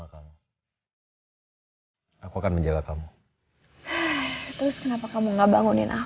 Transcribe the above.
kamu tahu apa